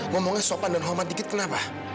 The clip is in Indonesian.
ngomongnya sopan dan homat dikit kenapa